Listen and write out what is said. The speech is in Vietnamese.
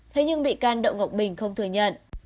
thế nhưng bị can đậu ngọc bình không thừa nhận